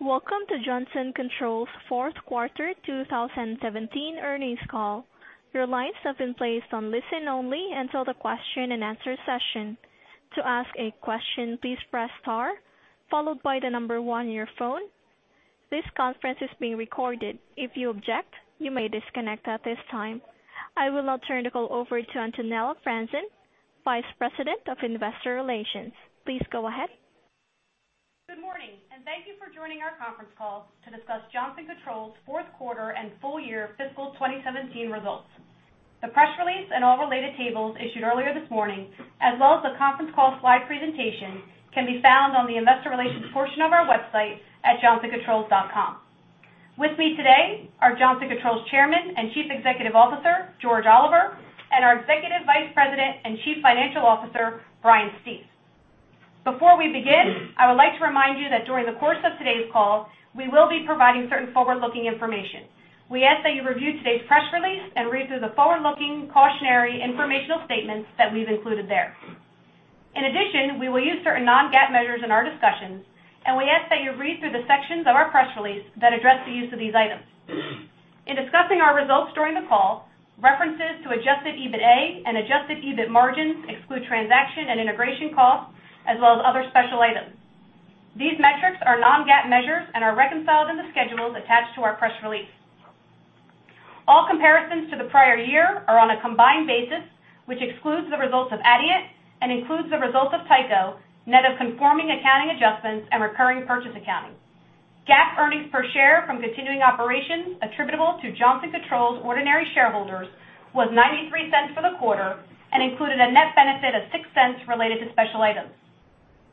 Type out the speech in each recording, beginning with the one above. Welcome to Johnson Controls' fourth quarter 2017 earnings call. Your lines have been placed on listen-only until the question and answer session. To ask a question, please press star, followed by 1 on your phone. This conference is being recorded. If you object, you may disconnect at this time. I will now turn the call over to Antonella Franzen, Vice President of Investor Relations. Please go ahead. Good morning. Thank you for joining our conference call to discuss Johnson Controls' fourth quarter and full year fiscal 2017 results. The press release and all related tables issued earlier this morning, as well as the conference call slide presentation, can be found on the investor relations portion of our website at johnsoncontrols.com. With me today are Johnson Controls Chairman and Chief Executive Officer, George Oliver, and our Executive Vice President and Chief Financial Officer, Brian Stief. Before we begin, I would like to remind you that during the course of today's call, we will be providing certain forward-looking information. We ask that you review today's press release and read through the forward-looking cautionary informational statements that we've included there. In addition, we will use certain non-GAAP measures in our discussions. We ask that you read through the sections of our press release that address the use of these items. In discussing our results during the call, references to adjusted EBITA and adjusted EBIT margins exclude transaction and integration costs, as well as other special items. These metrics are non-GAAP measures and are reconciled in the schedules attached to our press release. All comparisons to the prior year are on a combined basis, which excludes the results of Adient and includes the results of Tyco, net of conforming accounting adjustments and recurring purchase accounting. GAAP earnings per share from continuing operations attributable to Johnson Controls' ordinary shareholders was $0.93 for the quarter and included a net benefit of $0.06 related to special items.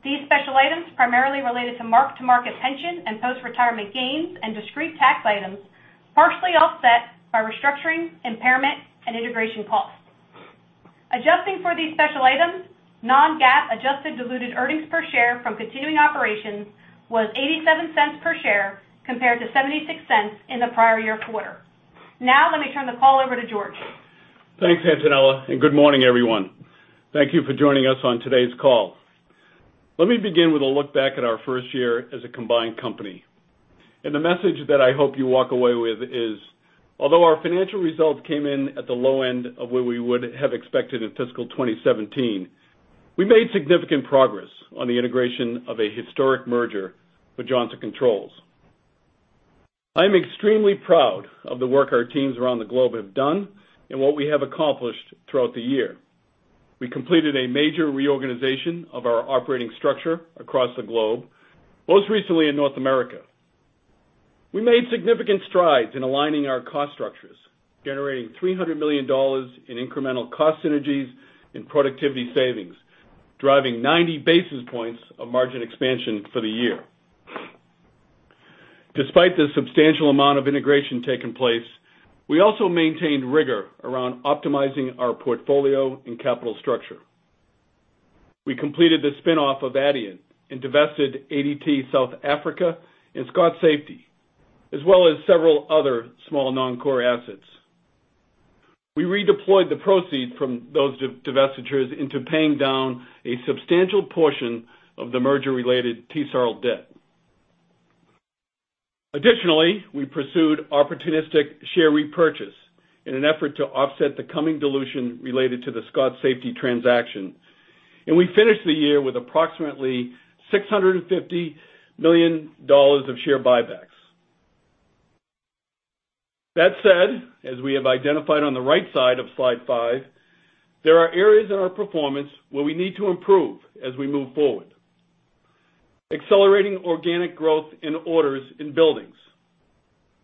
These special items primarily related to mark-to-market pension and post-retirement gains and discrete tax items, partially offset by restructuring, impairment, and integration costs. Adjusting for these special items, non-GAAP adjusted diluted earnings per share from continuing operations was $0.87 per share compared to $0.76 in the prior year quarter. Let me turn the call over to George. Thanks, Antonella, good morning, everyone. Thank you for joining us on today's call. Let me begin with a look back at our first year as a combined company. The message that I hope you walk away with is, although our financial results came in at the low end of where we would have expected in FY 2017, we made significant progress on the integration of a historic merger with Johnson Controls. I'm extremely proud of the work our teams around the globe have done and what we have accomplished throughout the year. We completed a major reorganization of our operating structure across the globe, most recently in North America. We made significant strides in aligning our cost structures, generating $300 million in incremental cost synergies and productivity savings, driving 90 basis points of margin expansion for the year. Despite the substantial amount of integration taking place, we also maintained rigor around optimizing our portfolio and capital structure. We completed the spin-off of Adient and divested ADT South Africa and Scott Safety, as well as several other small non-core assets. We redeployed the proceeds from those divestitures into paying down a substantial portion of the merger-related TSARL debt. Additionally, we pursued opportunistic share repurchase in an effort to offset the coming dilution related to the Scott Safety transaction. We finished the year with approximately $650 million of share buybacks. That said, as we have identified on the right side of slide 5, there are areas in our performance where we need to improve as we move forward. Accelerating organic growth in orders in buildings,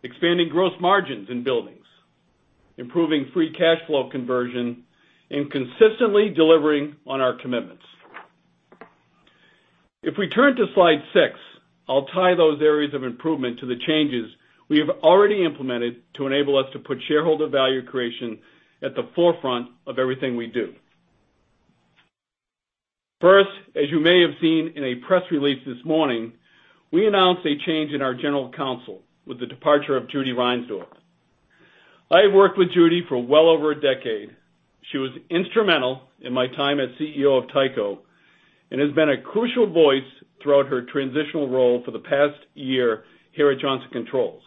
expanding gross margins in buildings, improving free cash flow conversion, and consistently delivering on our commitments. If we turn to slide 6, I'll tie those areas of improvement to the changes we have already implemented to enable us to put shareholder value creation at the forefront of everything we do. First, as you may have seen in a press release this morning, we announced a change in our general counsel with the departure of Judy Reinsdorf. I have worked with Judy for well over a decade. She was instrumental in my time as CEO of Tyco and has been a crucial voice throughout her transitional role for the past year here at Johnson Controls.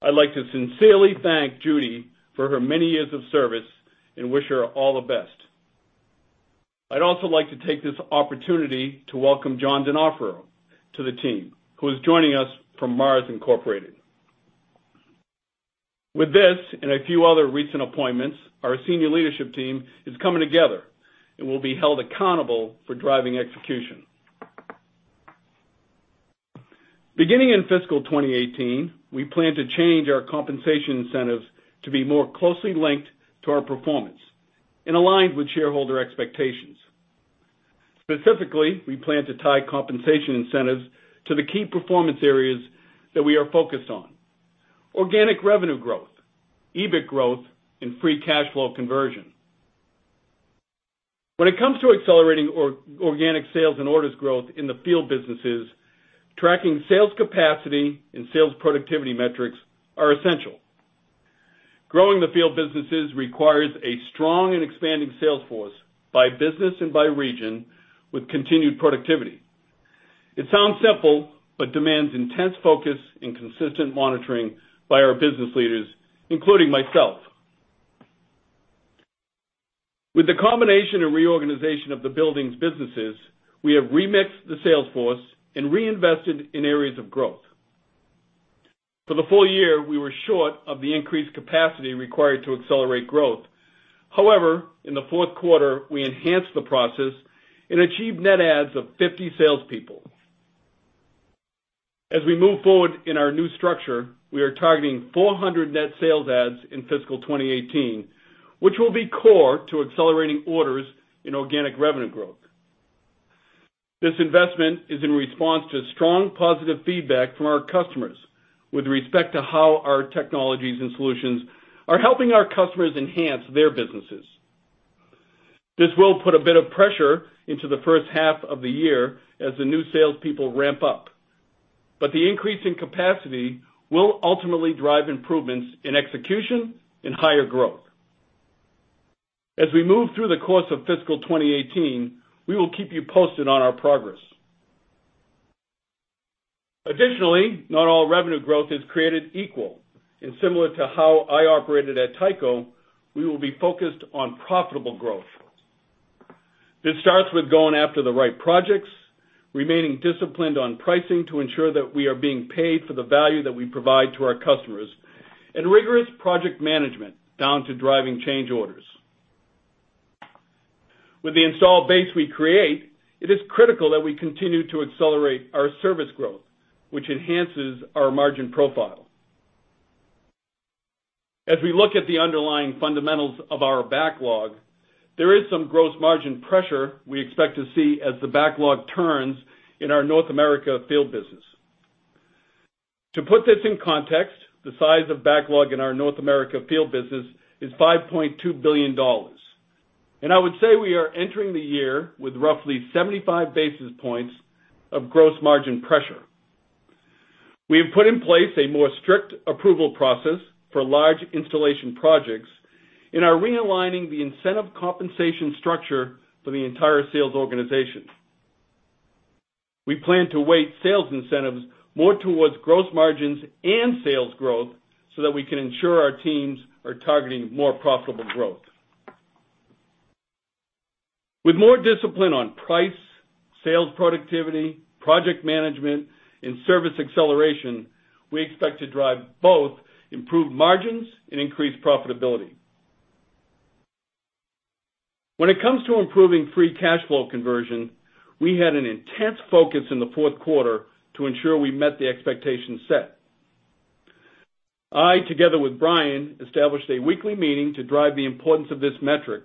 I'd like to sincerely thank Judy for her many years of service and wish her all the best. I'd also like to take this opportunity to welcome John Donofrio to the team, who is joining us from Mars, Incorporated. With this and a few other recent appointments, our senior leadership team is coming together and will be held accountable for driving execution. Beginning in FY 2018, we plan to change our compensation incentives to be more closely linked to our performance and aligned with shareholder expectations. Specifically, we plan to tie compensation incentives to the key performance areas that we are focused on. Organic revenue growth, EBIT growth, and free cash flow conversion. When it comes to accelerating organic sales and orders growth in the field businesses, tracking sales capacity and sales productivity metrics are essential. Growing the field businesses requires a strong and expanding sales force by business and by region with continued productivity. It sounds simple, but demands intense focus and consistent monitoring by our business leaders, including myself. With the combination and reorganization of the buildings businesses, we have remixed the sales force and reinvested in areas of growth. For the full year, we were short of the increased capacity required to accelerate growth. However, in the fourth quarter, we enhanced the process and achieved net adds of 50 salespeople. As we move forward in our new structure, we are targeting 400 net sales adds in fiscal 2018, which will be core to accelerating orders in organic revenue growth. This investment is in response to strong positive feedback from our customers with respect to how our technologies and solutions are helping our customers enhance their businesses. This will put a bit of pressure into the first half of the year as the new salespeople ramp up, but the increase in capacity will ultimately drive improvements in execution and higher growth. As we move through the course of fiscal 2018, we will keep you posted on our progress. Additionally, not all revenue growth is created equal, and similar to how I operated at Tyco, we will be focused on profitable growth. This starts with going after the right projects, remaining disciplined on pricing to ensure that we are being paid for the value that we provide to our customers, and rigorous project management down to driving change orders. With the installed base we create, it is critical that we continue to accelerate our service growth, which enhances our margin profile. As we look at the underlying fundamentals of our backlog, there is some gross margin pressure we expect to see as the backlog turns in our North America field business. To put this in context, the size of backlog in our North America field business is $5.2 billion. I would say we are entering the year with roughly 75 basis points of gross margin pressure. We have put in place a more strict approval process for large installation projects and are realigning the incentive compensation structure for the entire sales organization. We plan to weight sales incentives more towards gross margins and sales growth so that we can ensure our teams are targeting more profitable growth. With more discipline on price, sales productivity, project management, and service acceleration, we expect to drive both improved margins and increased profitability. When it comes to improving free cash flow conversion, we had an intense focus in the fourth quarter to ensure we met the expectations set. I, together with Brian, established a weekly meeting to drive the importance of this metric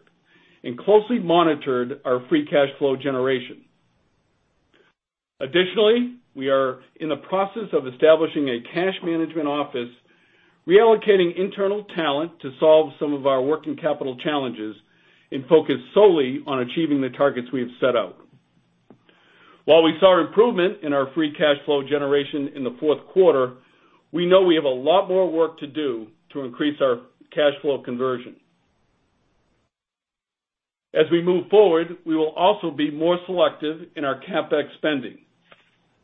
and closely monitored our free cash flow generation. Additionally, we are in the process of establishing a cash management office, reallocating internal talent to solve some of our working capital challenges, and focus solely on achieving the targets we have set out. While we saw improvement in our free cash flow generation in the fourth quarter, we know we have a lot more work to do to increase our cash flow conversion. As we move forward, we will also be more selective in our CapEx spending,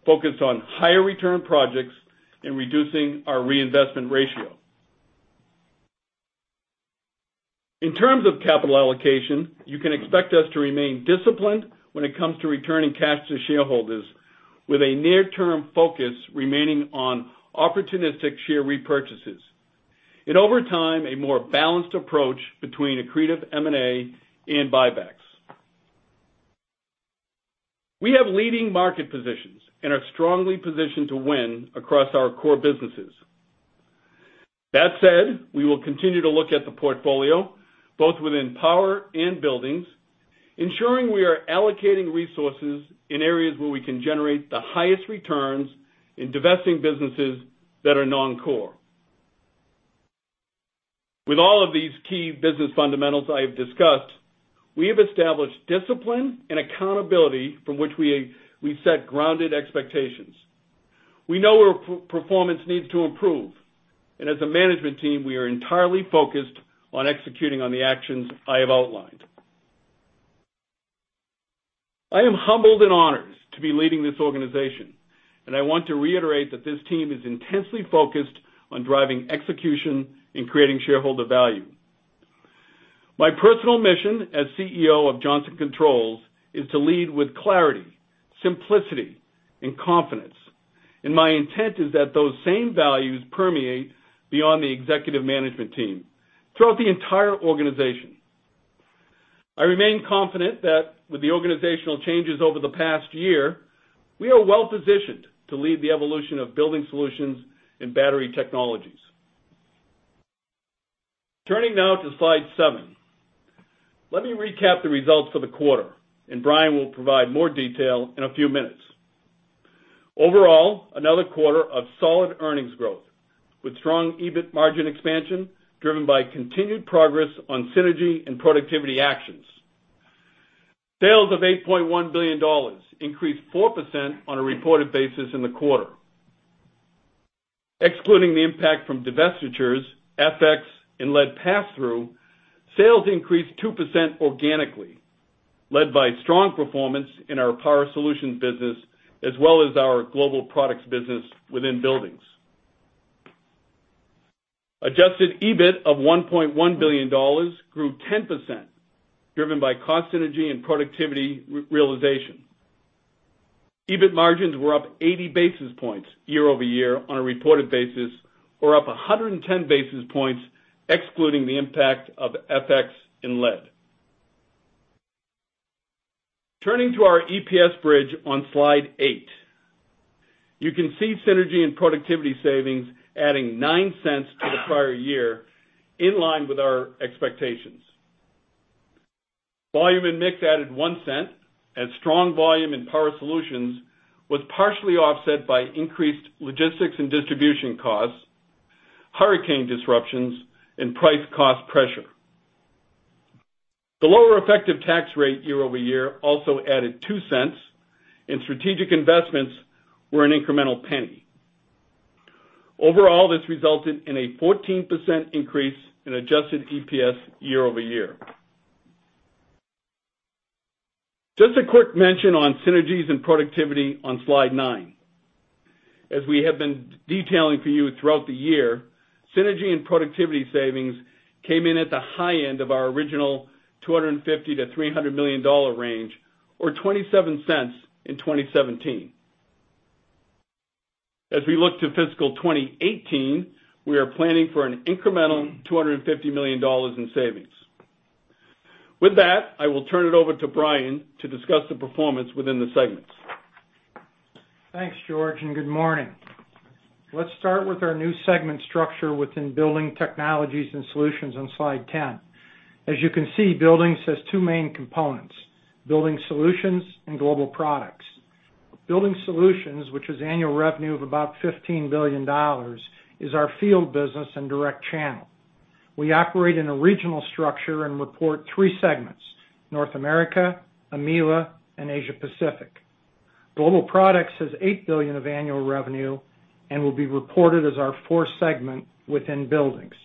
focused on higher return projects and reducing our reinvestment ratio. In terms of capital allocation, you can expect us to remain disciplined when it comes to returning cash to shareholders with a near-term focus remaining on opportunistic share repurchases. Over time, a more balanced approach between accretive M&A and buybacks. We have leading market positions and are strongly positioned to win across our core businesses. That said, we will continue to look at the portfolio, both within power and buildings, ensuring we are allocating resources in areas where we can generate the highest returns in divesting businesses that are non-core. With all of these key business fundamentals I have discussed, we have established discipline and accountability from which we set grounded expectations. We know where performance needs to improve, and as a management team, we are entirely focused on executing on the actions I have outlined. I am humbled and honored to be leading this organization, and I want to reiterate that this team is intensely focused on driving execution and creating shareholder value. My personal mission as CEO of Johnson Controls is to lead with clarity, simplicity, and confidence, and my intent is that those same values permeate beyond the executive management team throughout the entire organization. I remain confident that with the organizational changes over the past year, we are well-positioned to lead the evolution of Building Solutions and battery technologies. Turning now to slide seven. Let me recap the results for the quarter, and Brian will provide more detail in a few minutes. Overall, another quarter of solid earnings growth with strong EBIT margin expansion driven by continued progress on synergy and productivity actions. Sales of $8.1 billion increased 4% on a reported basis in the quarter. Excluding the impact from divestitures, FX, and lead passthrough, sales increased 2% organically, led by strong performance in our Power Solutions business as well as our Global Products business within Buildings. Adjusted EBIT of $1.1 billion grew 10%, driven by cost synergy and productivity realization. EBIT margins were up 80 basis points year-over-year on a reported basis, or up 110 basis points excluding the impact of FX and lead. Turning to our EPS bridge on slide eight. You can see synergy and productivity savings adding $0.09 to the prior year, in line with our expectations. Volume and mix added $0.01, as strong volume in Power Solutions was partially offset by increased logistics and distribution costs, hurricane disruptions, and price cost pressure. The lower effective tax rate year-over-year also added $0.02, and strategic investments were an incremental penny. Overall, this resulted in a 14% increase in adjusted EPS year-over-year. Just a quick mention on synergies and productivity on slide nine. As we have been detailing for you throughout the year, synergy and productivity savings came in at the high end of our original $250 million-$300 million range, or $0.27 in 2017. As we look to fiscal 2018, we are planning for an incremental $250 million in savings. With that, I will turn it over to Brian to discuss the performance within the segments. Thanks, George, and good morning. Let's start with our new segment structure within Building Technologies & Solutions on Slide 10. As you can see, Buildings has two main components, Building Solutions and Global Products. Building Solutions, which has annual revenue of about $15 billion, is our field business and direct channel. We operate in a regional structure and report three segments, North America, EMEA, and Asia Pacific. Global Products has $8 billion of annual revenue and will be reported as our fourth segment within Buildings.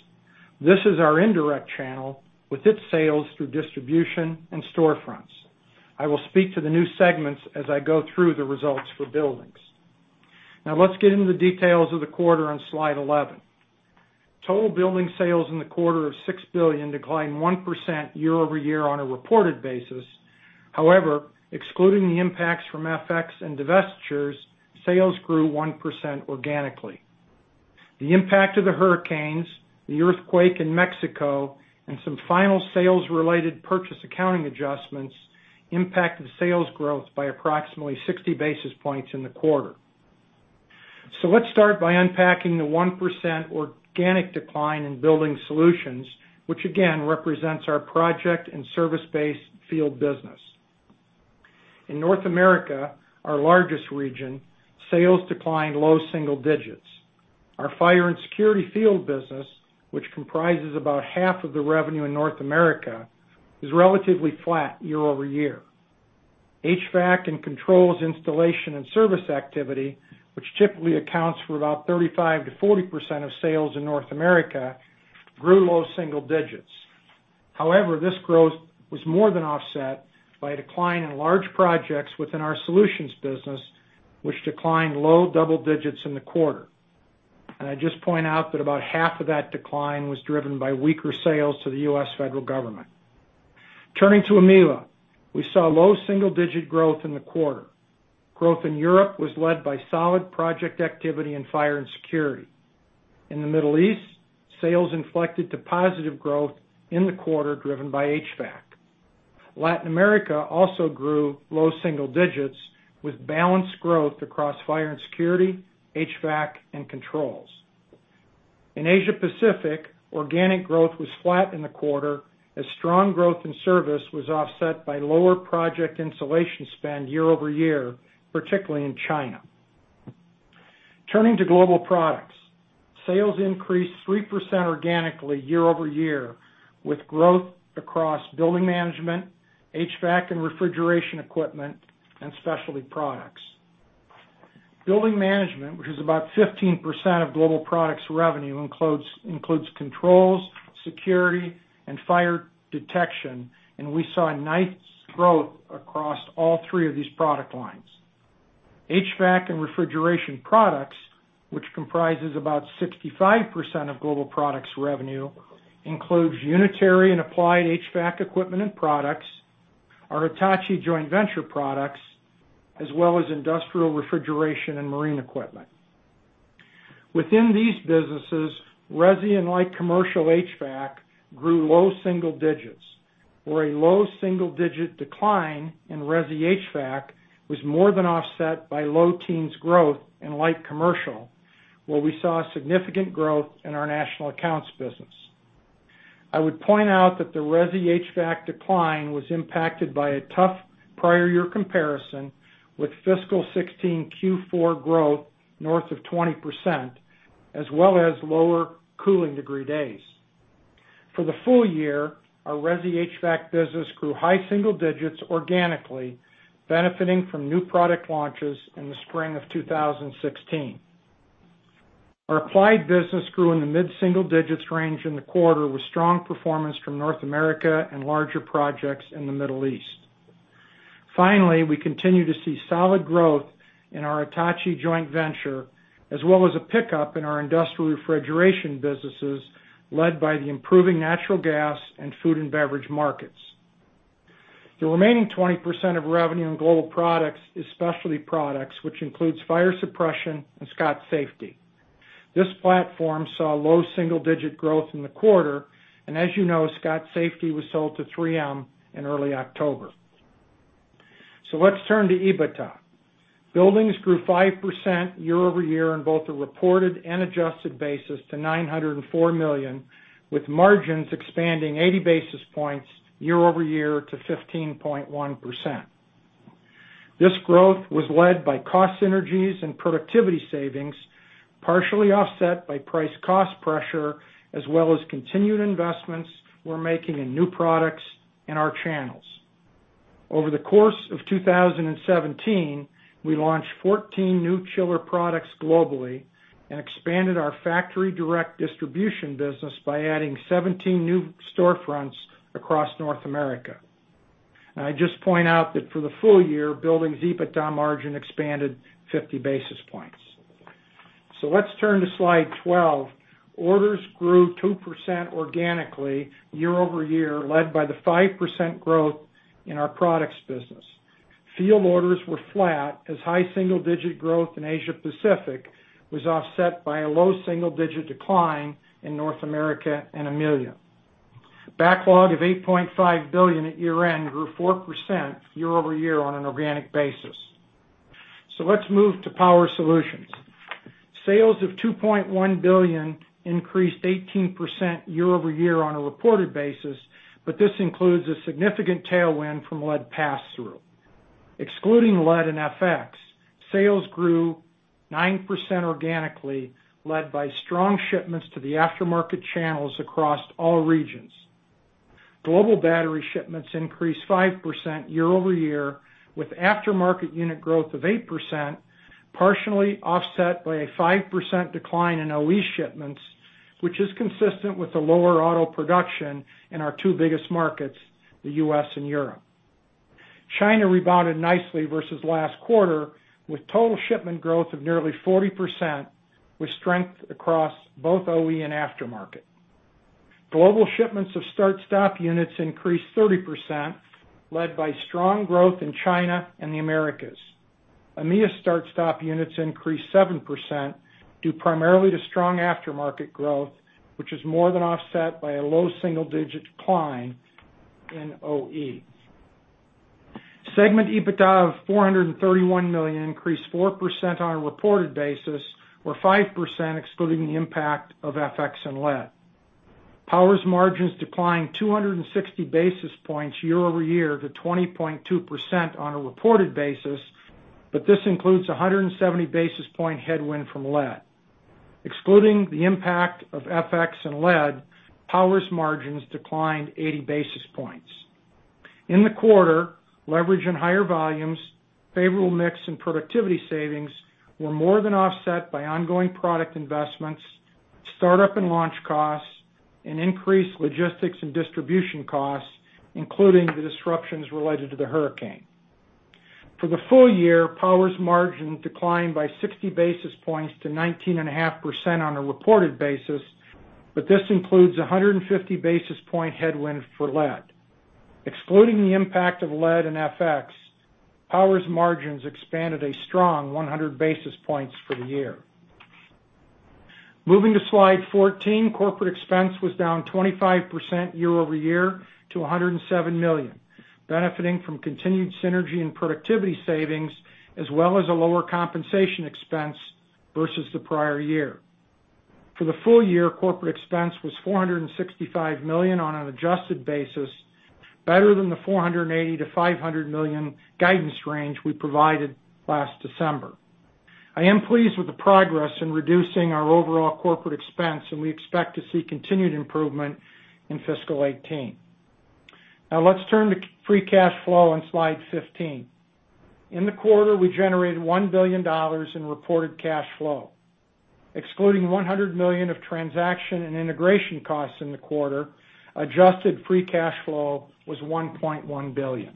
This is our indirect channel with its sales through distribution and storefronts. I will speak to the new segments as I go through the results for Buildings. Now let's get into the details of the quarter on Slide 11. Total Buildings sales in the quarter of $6 billion declined 1% year-over-year on a reported basis. However, excluding the impacts from FX and divestitures, sales grew 1% organically. The impact of the hurricanes, the earthquake in Mexico, and some final sales-related purchase accounting adjustments impacted sales growth by approximately 60 basis points in the quarter. Let's start by unpacking the 1% organic decline in Building Solutions, which again represents our project and service-based field business. In North America, our largest region, sales declined low single digits. Our fire and security field business, which comprises about half of the revenue in North America, is relatively flat year-over-year. HVAC and controls installation and service activity, which typically accounts for about 35%-40% of sales in North America, grew low single digits. However, this growth was more than offset by a decline in large projects within our solutions business, which declined low double digits in the quarter. I'd just point out that about half of that decline was driven by weaker sales to the U.S. federal government. Turning to EMEA, we saw low single-digit growth in the quarter. Growth in Europe was led by solid project activity in fire and security. In the Middle East, sales inflected to positive growth in the quarter, driven by HVAC. Latin America also grew low single digits with balanced growth across fire and security, HVAC, and controls. In Asia Pacific, organic growth was flat in the quarter as strong growth in service was offset by lower project installation spend year-over-year, particularly in China. Turning to Global Products. Sales increased 3% organically year-over-year, with growth across building management, HVAC and refrigeration equipment, and specialty products. Building management, which is about 15% of Global Products revenue, includes controls, security, and fire detection, and we saw nice growth across all three of these product lines. HVAC and refrigeration products, which comprises about 65% of Global Products revenue, includes unitary and applied HVAC equipment and products, our Hitachi joint venture products, as well as industrial refrigeration and marine equipment. Within these businesses, resi and light commercial HVAC grew low single digits, where a low single-digit decline in resi HVAC was more than offset by low teens growth in light commercial, where we saw significant growth in our national accounts business. I would point out that the resi HVAC decline was impacted by a tough prior year comparison with fiscal 2016 Q4 growth north of 20%, as well as lower cooling degree days. For the full year, our resi HVAC business grew high single-digits organically, benefiting from new product launches in the spring of 2016. Our applied business grew in the mid-single-digits range in the quarter, with strong performance from North America and larger projects in the Middle East. Finally, we continue to see solid growth in our Hitachi joint venture, as well as a pickup in our industrial refrigeration businesses, led by the improving natural gas and food and beverage markets. The remaining 20% of revenue in Global Products is specialty products, which includes fire suppression and Scott Safety. This platform saw low single-digit growth in the quarter, as you know, Scott Safety was sold to 3M in early October. Let's turn to EBITDA. Buildings grew 5% year-over-year on both a reported and adjusted basis to $904 million, with margins expanding 80 basis points year-over-year to 15.1%. This growth was led by cost synergies and productivity savings, partially offset by price cost pressure, as well as continued investments we're making in new products in our channels. Over the course of 2017, we launched 14 new chiller products globally and expanded our factory direct distribution business by adding 17 new storefronts across North America. I'd just point out that for the full year, Buildings EBITDA margin expanded 50 basis points. Let's turn to slide 12. Orders grew 2% organically year-over-year, led by the 5% growth in our Products business. Field orders were flat as high single-digit growth in Asia Pacific was offset by a low single-digit decline in North America and EMEA. Backlog of $8.5 billion at year-end grew 4% year-over-year on an organic basis. Let's move to Power Solutions. Sales of $2.1 billion increased 18% year-over-year on a reported basis, this includes a significant tailwind from lead pass-through. Excluding lead and FX, sales grew 9% organically, led by strong shipments to the aftermarket channels across all regions. Global battery shipments increased 5% year-over-year, with aftermarket unit growth of 8%, partially offset by a 5% decline in OE shipments, which is consistent with the lower auto production in our two biggest markets, the U.S. and Europe. China rebounded nicely versus last quarter, with total shipment growth of nearly 40%, with strength across both OE and aftermarket. Global shipments of start-stop units increased 30%, led by strong growth in China and the Americas. EMEA start-stop units increased 7%, due primarily to strong aftermarket growth, which is more than offset by a low single-digit decline in OE. Segment EBITDA of $431 million increased 4% on a reported basis or 5% excluding the impact of FX and lead. Power's margins declined 260 basis points year-over-year to 20.2% on a reported basis, this includes 170 basis point headwind from lead. Excluding the impact of FX and lead, Power's margins declined 80 basis points. In the quarter, leverage and higher volumes, favorable mix and productivity savings were more than offset by ongoing product investments, startup and launch costs, and increased logistics and distribution costs, including the disruptions related to the hurricane. For the full year, Power's margin declined by 60 basis points to 19.5% on a reported basis, this includes 150 basis point headwind for lead. Excluding the impact of lead and FX, Power's margins expanded a strong 100 basis points for the year. Moving to Slide 14, corporate expense was down 25% year-over-year to $107 million, benefiting from continued synergy and productivity savings, as well as a lower compensation expense versus the prior year. For the full year, corporate expense was $465 million on an adjusted basis, better than the $480 million-$500 million guidance range we provided last December. I am pleased with the progress in reducing our overall corporate expense, and we expect to see continued improvement in fiscal 2018. Now let's turn to free cash flow on Slide 15. In the quarter, we generated $1 billion in reported cash flow. Excluding $100 million of transaction and integration costs in the quarter, adjusted free cash flow was $1.1 billion.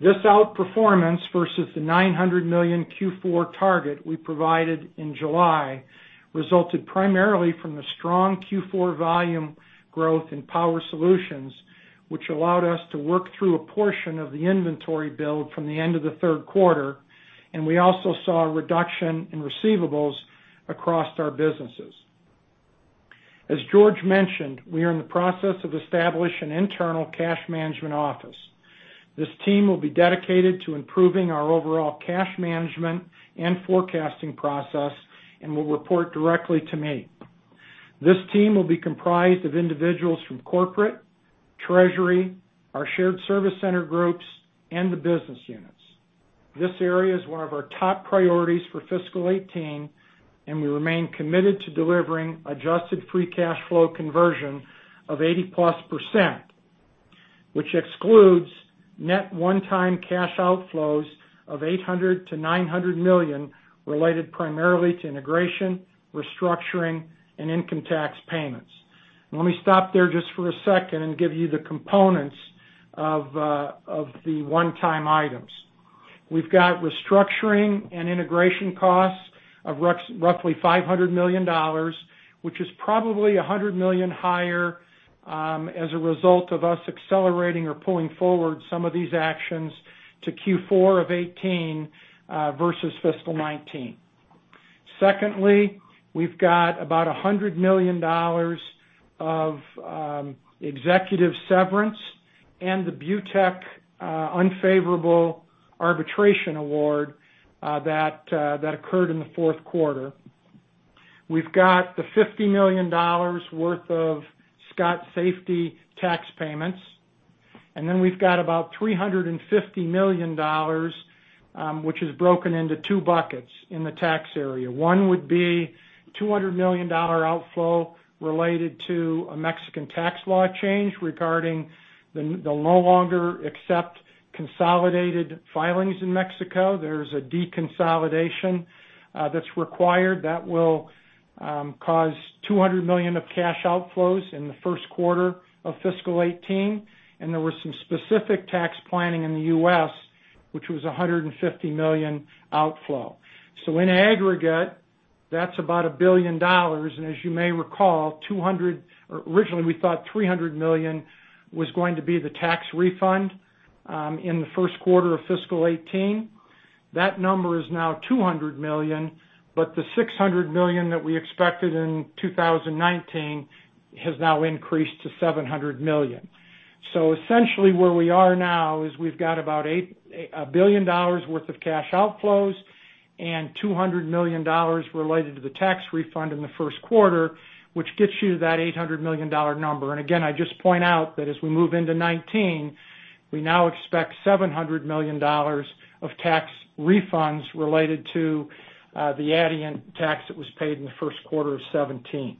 This outperformance versus the $900 million Q4 target we provided in July, resulted primarily from the strong Q4 volume growth in Power Solutions, which allowed us to work through a portion of the inventory build from the end of the third quarter, and we also saw a reduction in receivables across our businesses. As George mentioned, we are in the process of establishing an internal cash management office. This team will be dedicated to improving our overall cash management and forecasting process and will report directly to me. This team will be comprised of individuals from corporate Treasury, our shared service center groups, and the business units. This area is one of our top priorities for fiscal 2018, and we remain committed to delivering adjusted free cash flow conversion of 80-plus percent, which excludes net one-time cash outflows of $800 million-$900 million related primarily to integration, restructuring, and income tax payments. Let me stop there just for a second and give you the components of the one-time items. We've got restructuring and integration costs of roughly $500 million, which is probably $100 million higher as a result of us accelerating or pulling forward some of these actions to Q4 of 2018 versus fiscal 2019. Secondly, we've got about $100 million of executive severance and the Butec unfavorable arbitration award that occurred in the fourth quarter. We've got the $50 million worth of Scott Safety tax payments. Then we've got about $350 million, which is broken into two buckets in the tax area. One would be $200 million outflow related to a Mexican tax law change regarding they'll no longer accept consolidated filings in Mexico. There's a deconsolidation that's required that will cause $200 million of cash outflows in the first quarter of fiscal 2018. There was some specific tax planning in the U.S., which was $150 million outflow. In aggregate, that's about $1 billion. As you may recall, originally we thought $300 million was going to be the tax refund in the first quarter of fiscal 2018. That number is now $200 million, but the $600 million that we expected in 2019 has now increased to $700 million. Essentially where we are now is we've got about $1 billion worth of cash outflows and $200 million related to the tax refund in the first quarter, which gets you to that $800 million number. I just point out that as we move into 2019, we now expect $700 million of tax refunds related to the Adient tax that was paid in the first quarter of 2017.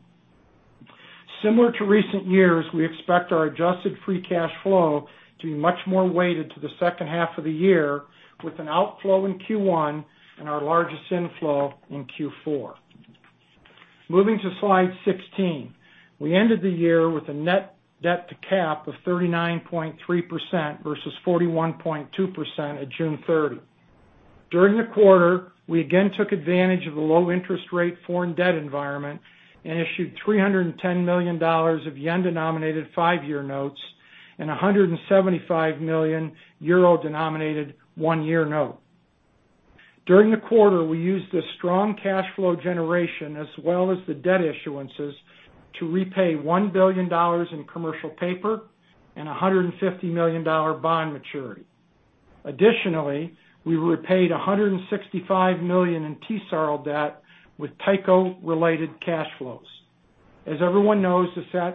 Similar to recent years, we expect our adjusted free cash flow to be much more weighted to the second half of the year, with an outflow in Q1 and our largest inflow in Q4. Moving to slide 16. We ended the year with a net debt to Cap of 39.3% versus 41.2% at June 30. During the quarter, we again took advantage of the low interest rate foreign debt environment and issued JPY 310 million of yen-denominated five-year notes and 175 million euro-denominated one-year note. During the quarter, we used the strong cash flow generation as well as the debt issuances to repay $1 billion in commercial paper and $150 million bond maturity. Additionally, we repaid $165 million in TSARL debt with Tyco-related cash flows. As everyone knows, the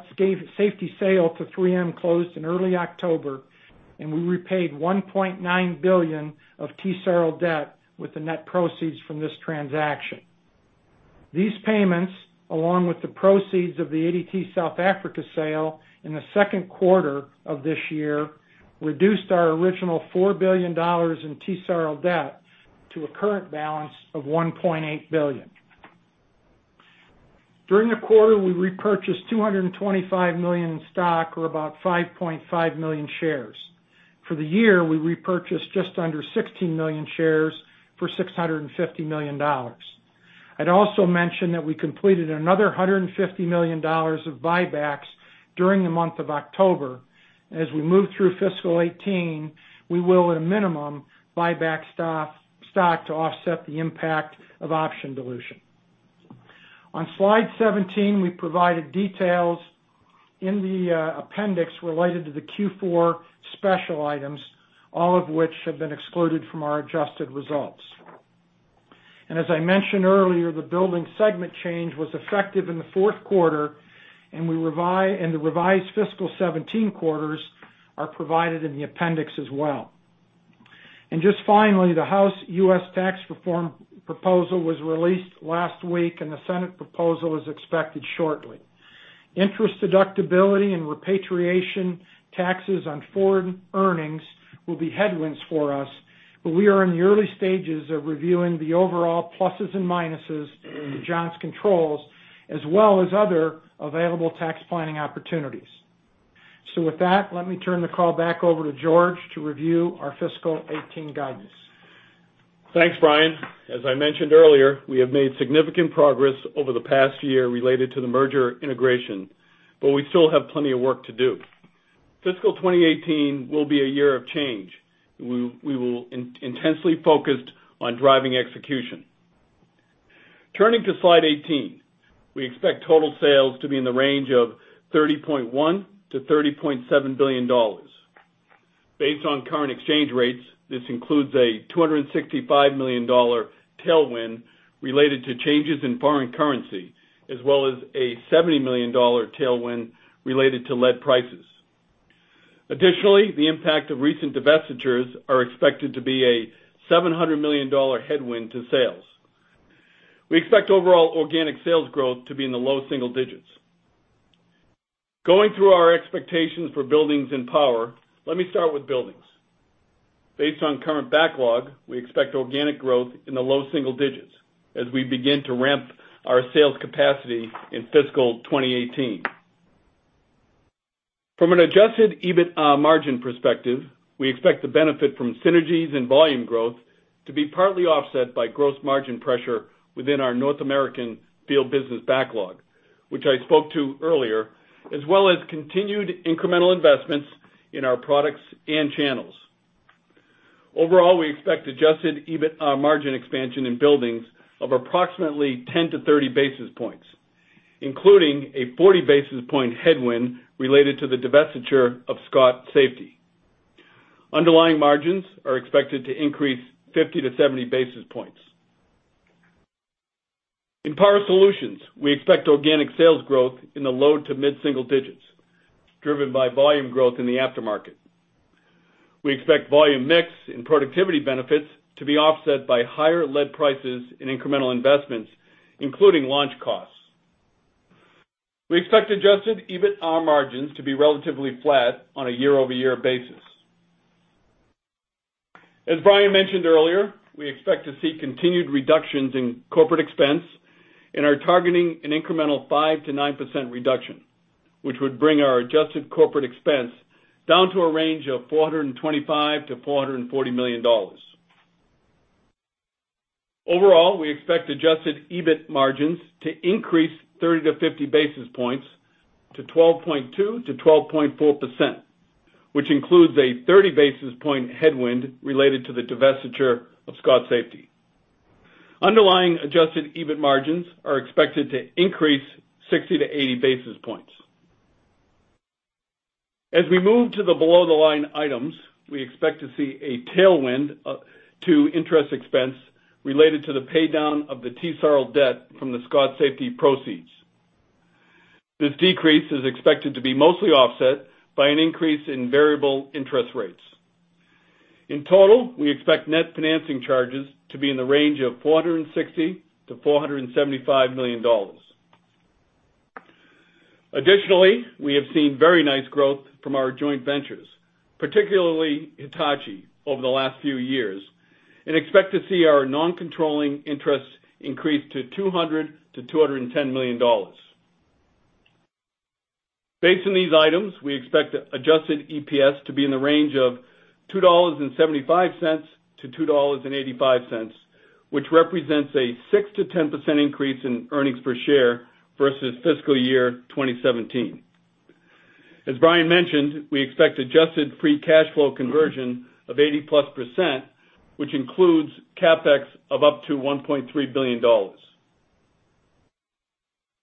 safety sale to 3M closed in early October, and we repaid $1.9 billion of TSARL debt with the net proceeds from this transaction. These payments, along with the proceeds of the ADT South Africa sale in the second quarter of this year, reduced our original $4 billion in TSARL debt to a current balance of $1.8 billion. During the quarter, we repurchased $225 million in stock or about 5.5 million shares. For the year, we repurchased just under 16 million shares for $650 million. I would also mention that we completed another $150 million of buybacks during the month of October. As we move through FY 2018, we will at a minimum buy back stock to offset the impact of option dilution. On slide 17, we provided details in the appendix related to the Q4 special items, all of which have been excluded from our adjusted results. As I mentioned earlier, the building segment change was effective in the fourth quarter, and the revised FY 2017 quarters are provided in the appendix as well. Just finally, the House U.S. tax reform proposal was released last week, and the Senate proposal is expected shortly. Interest deductibility and repatriation taxes on foreign earnings will be headwinds for us, but we are in the early stages of reviewing the overall pluses and minuses of Johnson Controls, as well as other available tax planning opportunities. With that, let me turn the call back over to George to review our FY 2018 guidance. Thanks, Brian. As I mentioned earlier, we have made significant progress over the past year related to the merger integration, but we still have plenty of work to do. Fiscal 2018 will be a year of change. We will intensely focus on driving execution. Turning to slide 18. We expect total sales to be in the range of $30.1 billion-$30.7 billion. Based on current exchange rates, this includes a $265 million tailwind related to changes in foreign currency, as well as a $70 million tailwind related to lead prices. Additionally, the impact of recent divestitures are expected to be a $700 million headwind to sales. We expect overall organic sales growth to be in the low single digits. Going through our expectations for Buildings and Power, let me start with Buildings. Based on current backlog, we expect organic growth in the low single digits as we begin to ramp our sales capacity in fiscal 2018. From an adjusted EBITA margin perspective, we expect the benefit from synergies and volume growth to be partly offset by gross margin pressure within our North American field business backlog, which I spoke to earlier, as well as continued incremental investments in our products and channels. Overall, we expect adjusted EBITA margin expansion in buildings of approximately 10 to 30 basis points, including a 40 basis point headwind related to the divestiture of Scott Safety. Underlying margins are expected to increase 50 to 70 basis points. In Power Solutions, we expect organic sales growth in the low to mid-single digits, driven by volume growth in the aftermarket. We expect volume mix and productivity benefits to be offset by higher lead prices in incremental investments, including launch costs. We expect adjusted EBITA margins to be relatively flat on a year-over-year basis. As Brian mentioned earlier, we expect to see continued reductions in corporate expense and are targeting an incremental 5%-9% reduction, which would bring our adjusted corporate expense down to a range of $425 million-$440 million. Overall, we expect adjusted EBIT margins to increase 30 to 50 basis points to 12.2%-12.4%, which includes a 30 basis point headwind related to the divestiture of Scott Safety. Underlying adjusted EBIT margins are expected to increase 60 to 80 basis points. As we move to the below the line items, we expect to see a tailwind to interest expense related to the paydown of the TSARL debt from the Scott Safety proceeds. This decrease is expected to be mostly offset by an increase in variable interest rates. In total, we expect net financing charges to be in the range of $460 million-$475 million. Additionally, we have seen very nice growth from our joint ventures, particularly Hitachi, over the last few years, and expect to see our non-controlling interests increase to $200 million-$210 million. Based on these items, we expect adjusted EPS to be in the range of $2.75-$2.85, which represents a 6%-10% increase in earnings per share versus fiscal year 2017. As Brian mentioned, we expect adjusted free cash flow conversion of 80%+ percent, which includes CapEx of up to $1.3 billion.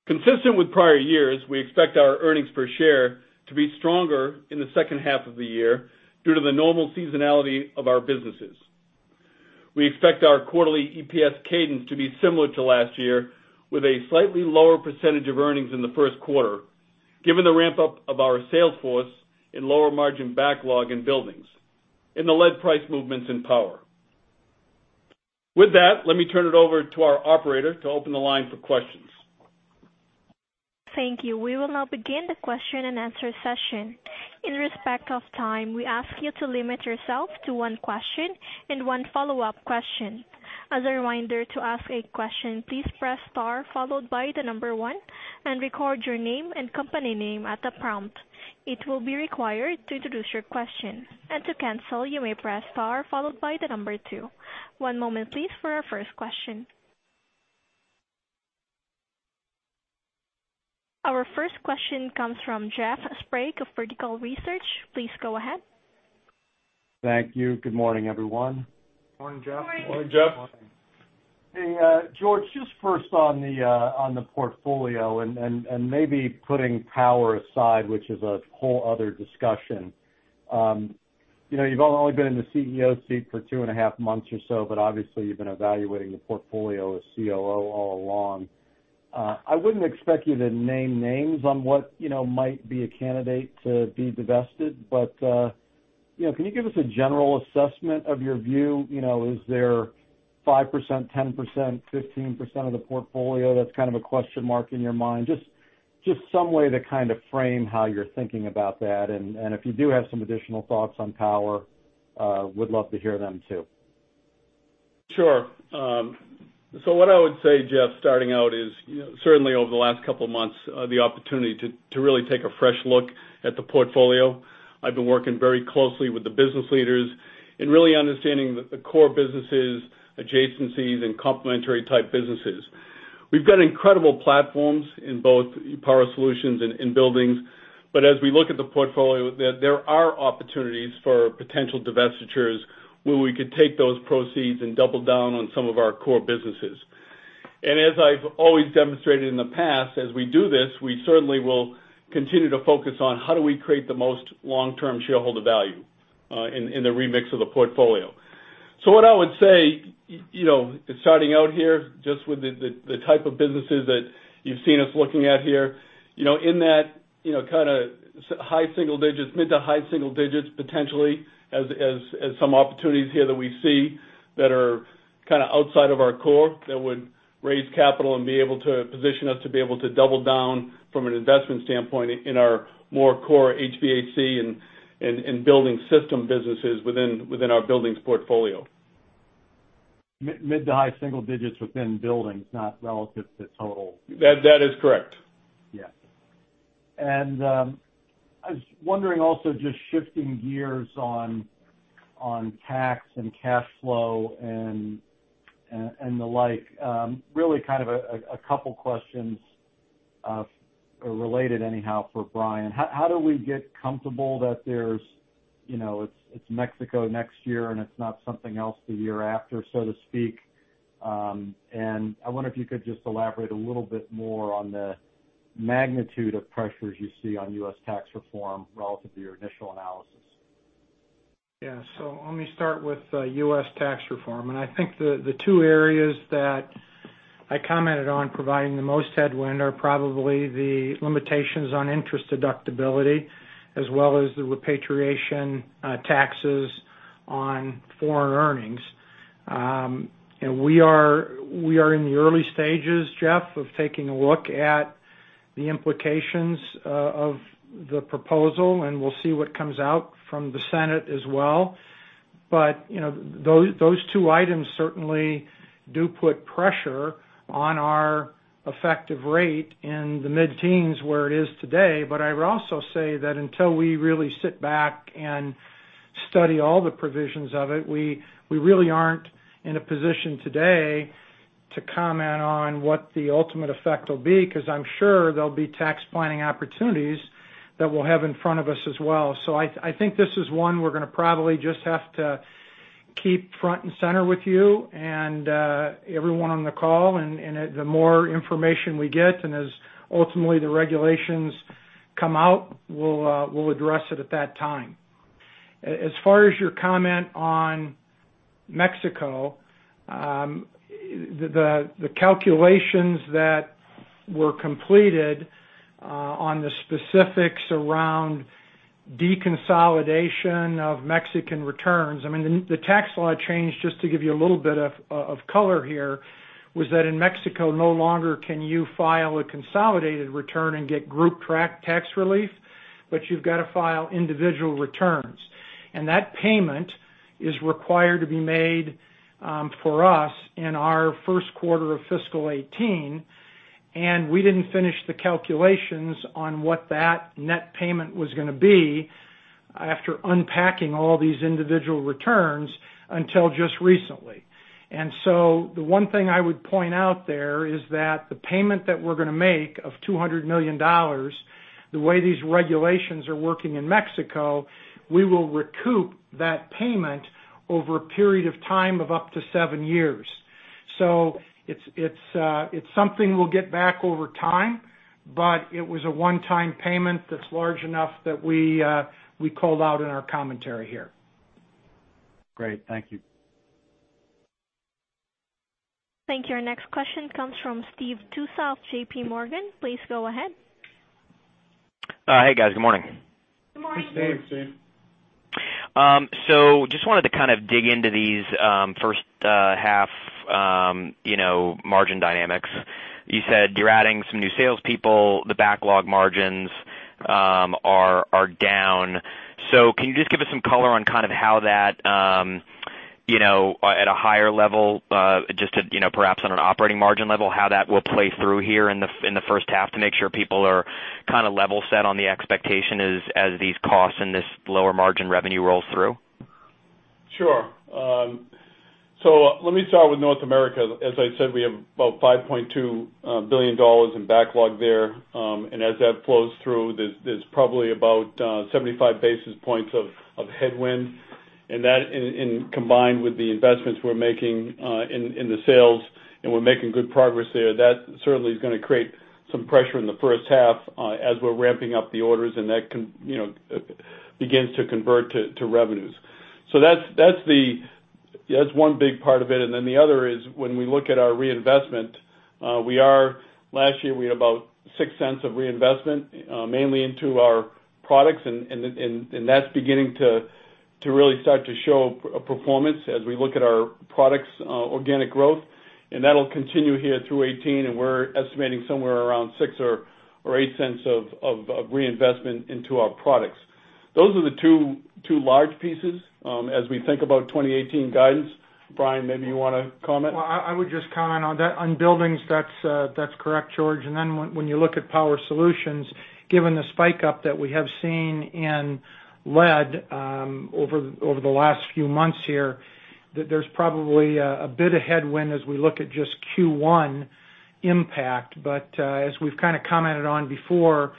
Consistent with prior years, we expect our earnings per share to be stronger in the second half of the year due to the normal seasonality of our businesses. We expect our quarterly EPS cadence to be similar to last year, with a slightly lower percentage of earnings in the first quarter, given the ramp-up of our sales force in lower margin backlog in buildings and the lead price movements in power. With that, let me turn it over to our operator to open the line for questions. Thank you. We will now begin the question and answer session. In respect of time, we ask you to limit yourself to one question and one follow-up question. As a reminder, to ask a question, please press star followed by the number one and record your name and company name at the prompt. It will be required to introduce your question. To cancel, you may press star followed by the number two. One moment, please, for our first question. Our first question comes from Jeff Sprague of Vertical Research. Please go ahead. Thank you. Good morning, everyone. Morning, Jeff. Morning. Morning, Jeff. Hey, George, just first on the portfolio and maybe putting power aside, which is a whole other discussion. You've only been in the CEO seat for two and a half months or so, but obviously you've been evaluating the portfolio as COO all along. I wouldn't expect you to name names on what might be a candidate to be divested, but can you give us a general assessment of your view? Is there 5%, 10%, 15% of the portfolio that's kind of a question mark in your mind? Just some way to kind of frame how you're thinking about that, and if you do have some additional thoughts on power, would love to hear them too. Sure. What I would say, Jeff, starting out is, certainly over the last couple of months, the opportunity to really take a fresh look at the portfolio. I've been working very closely with the business leaders in really understanding the core businesses, adjacencies, and complementary type businesses. We've got incredible platforms in both Power Solutions and in Buildings. As we look at the portfolio, there are opportunities for potential divestitures where we could take those proceeds and double down on some of our core businesses. As I've always demonstrated in the past, as we do this, we certainly will continue to focus on how do we create the most long-term shareholder value in the remix of the portfolio. What I would say, starting out here, just with the type of businesses that you've seen us looking at here, in that mid to high single digits, potentially, as some opportunities here that we see that are outside of our core, that would raise capital and be able to position us to be able to double down from an investment standpoint in our more core HVAC and building system businesses within our Buildings portfolio. Mid to high single digits within Buildings, not relative to total. That is correct. Yeah. I was wondering also just shifting gears on tax and cash flow and the like, really a couple of questions are related anyhow for Brian. How do we get comfortable that it's Mexico next year and it's not something else the year after, so to speak? I wonder if you could just elaborate a little bit more on the magnitude of pressures you see on U.S. tax reform relative to your initial analysis. Yeah. Let me start with U.S. tax reform. I think the two areas that I commented on providing the most headwind are probably the limitations on interest deductibility as well as the repatriation taxes on foreign earnings. We are in the early stages, Jeff, of taking a look at the implications of the proposal, and we'll see what comes out from the Senate as well. Those two items certainly do put pressure on our effective rate in the mid-teens where it is today. I would also say that until we really sit back and study all the provisions of it, we really aren't in a position today to comment on what the ultimate effect will be, because I'm sure there'll be tax planning opportunities that we'll have in front of us as well. I think this is one we're going to probably just have to keep front and center with you and everyone on the call. The more information we get, and as ultimately the regulations come out, we'll address it at that time. As far as your comment on Mexico, the calculations that were completed on the specifics around deconsolidation of Mexican returns, I mean, the tax law change, just to give you a little bit of color here, was that in Mexico, no longer can you file a consolidated return and get group tax relief, but you've got to file individual returns. That payment is required to be made for us in our first quarter of fiscal 2018, and we didn't finish the calculations on what that net payment was going to be after unpacking all these individual returns until just recently. The one thing I would point out there is that the payment that we're going to make of $200 million, the way these regulations are working in Mexico, we will recoup that payment over a period of time of up to seven years. It's something we'll get back over time, but it was a one-time payment that's large enough that we called out in our commentary here. Great. Thank you. Thank you. Our next question comes from Steve Tusa of JPMorgan. Please go ahead. Hi, guys. Good morning. Good morning, Steve. Steve. Just wanted to dig into these first half margin dynamics. You said you're adding some new salespeople. The backlog margins are down. Can you just give us some color on how that, at a higher level, just perhaps on an operating margin level, how that will play through here in the first half to make sure people are level set on the expectation as these costs and this lower margin revenue rolls through? Sure. Let me start with North America. As I said, we have about $5.2 billion in backlog there. As that flows through, there's probably about 75 basis points of headwind, and that combined with the investments we're making in the sales, and we're making good progress there, that certainly is going to create some pressure in the first half, as we're ramping up the orders and that begins to convert to revenues. That's one big part of it. Then the other is when we look at our reinvestment, last year, we had about $0.06 of reinvestment, mainly into our products, and that's beginning to really start to show a performance as we look at our products' organic growth, and that'll continue here through 2018, and we're estimating somewhere around $0.06 or $0.08 of reinvestment into our products. Those are the two large pieces as we think about 2018 guidance. Brian, maybe you want to comment? I would just comment on buildings. That's correct, George. When you look at Power Solutions, given the spike up that we have seen in lead over the last few months here, there's probably a bit of headwind as we look at just Q1 impact. As we've kind of commented on before,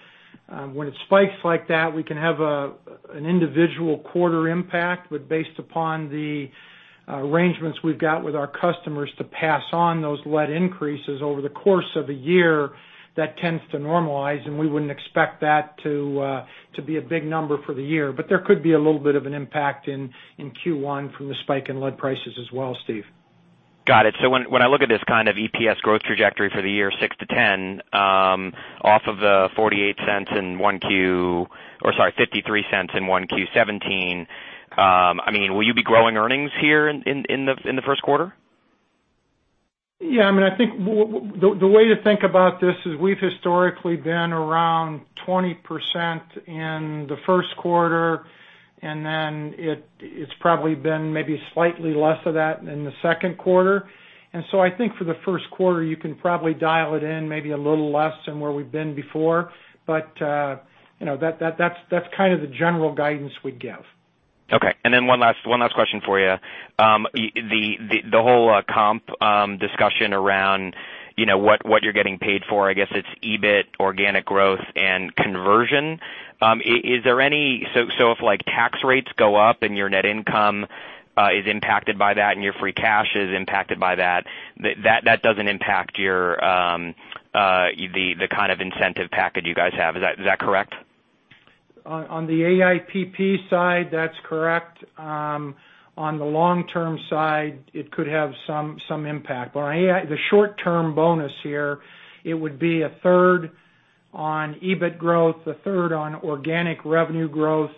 when it spikes like that, we can have an individual quarter impact. Based upon the arrangements we've got with our customers to pass on those lead increases over the course of a year, that tends to normalize, and we wouldn't expect that to be a big number for the year. There could be a little bit of an impact in Q1 from the spike in lead prices as well, Steve. Got it. When I look at this kind of EPS growth trajectory for the year, 6%-10% off of the $0.53 in 1Q 2017, will you be growing earnings here in the first quarter? I think the way to think about this is we've historically been around 20% in the first quarter, and then it's probably been maybe slightly less of that in the second quarter. I think for the first quarter, you can probably dial it in maybe a little less than where we've been before. That's kind of the general guidance we'd give. One last question for you. The whole comp discussion around what you're getting paid for, I guess it's EBIT, organic growth, and conversion. If tax rates go up and your net income is impacted by that and your free cash is impacted by that doesn't impact the kind of incentive package you guys have. Is that correct? On the AIPP side, that's correct. On the long-term side, it could have some impact. The short-term bonus here, it would be a third on EBIT growth, a third on organic revenue growth,